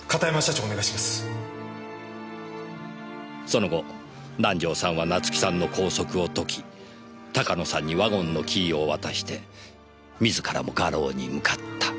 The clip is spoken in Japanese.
その後南条さんは夏樹さんの拘束を解き鷹野さんにワゴンのキーを渡して自らも画廊に向かった。